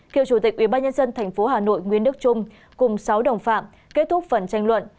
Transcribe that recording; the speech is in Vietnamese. cựu chủ tịch ubnd tp hà nội nguyễn đức trung cùng sáu đồng phạm kết thúc phần tranh luận